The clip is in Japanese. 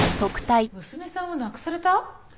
娘さんを亡くされた？